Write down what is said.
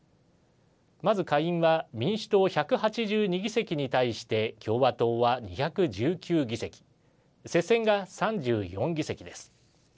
まず下院は民主党１８２議席に対して共和党は２１９議席接戦が３４議席です。